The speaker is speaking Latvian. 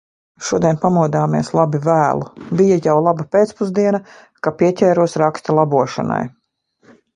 Šodien pamodāmies labi vēlu. Bija jau laba pēcpusdiena, ka pieķēros raksta labošanai.